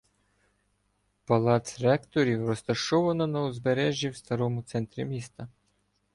Палац ректорів розташовано на узбережжі в старому центрі міста.